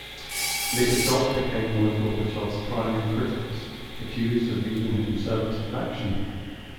Ligachyov became one of Gorbachev's primary critics, accused of leading a conservative faction.